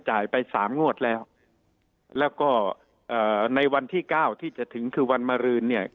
ไปสามงวดแล้วแล้วก็เอ่อในวันที่เก้าที่จะถึงคือวันมารืนเนี่ย